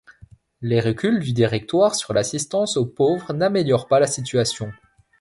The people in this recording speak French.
Les reculs du Directoire sur l'assistance aux pauvres n'améliorent pas la situation.